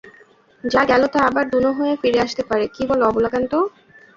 যা গেল তা আবার দুনো হয়ে ফিরে আসতে পারে, কী বল অবলাকান্ত?